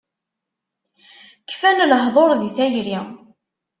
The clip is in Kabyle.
Kfan lehduṛ di tayri.